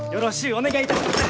お願いいたします！